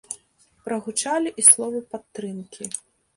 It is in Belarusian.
Прагучалі і словы падтрымкі.